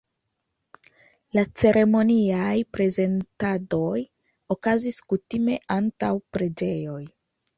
La ceremoniaj prezentadoj okazis kutime antaŭ preĝejoj.